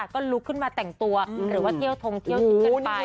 ก็ลุกขึ้นมาแต่งตัวหรือว่าเที่ยวทงเที่ยวทิพย์กันไป